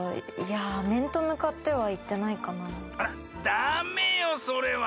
ダメよそれは。